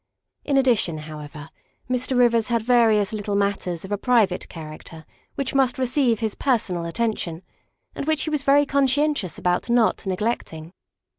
In addition, however, Mr. Rivers had various little matters of a private character which must receive his personal attention, and which he was very conscientious about not neglecting.